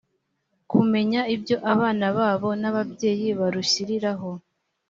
kumenya ibyo abana babo n’ababyeyi barushyiriraho